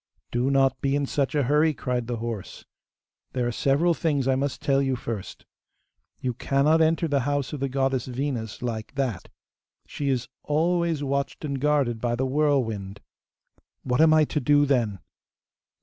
'Do not be in such a hurry,' cried the horse. 'There are several things I must tell you first. You cannot enter the house of the goddess Venus like that. She is always watched and guarded by the whirlwind.' 'What am I to do then?